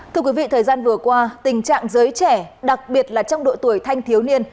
thưa quý vị thời gian vừa qua tình trạng giới trẻ đặc biệt là trong độ tuổi thanh thiếu niên